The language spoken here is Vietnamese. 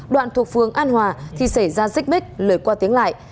đoạn thuộc phường an hòa thì xảy ra dích mích lời qua tiếng lại